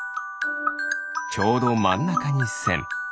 ちょうどまんなかにせん。